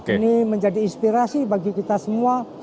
ini menjadi inspirasi bagi kita semua